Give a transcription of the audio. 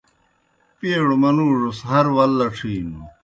پیڑوْ منُوڙوْس ہر ول لڇِھینوْ۔